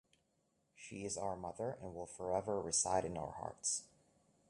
She is our mother, and will forever reside in our hearts.